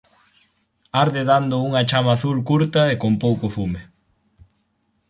Arde dando unha chama azul curta e con pouco fume.